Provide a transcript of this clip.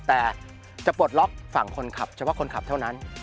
แต่จะปลดล็อกฝั่งคนขับเฉพาะคนขับเท่านั้น